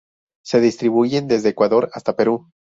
Se distribuyen desde Ecuador hasta Perú.